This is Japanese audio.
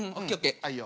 はいよ。